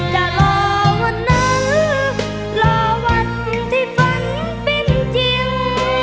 จะรอวันนั้นรอวันที่ฝันเป็นจริง